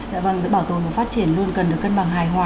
dạ vâng giữa bảo tồn và phát triển luôn cần được cân bằng hài hòa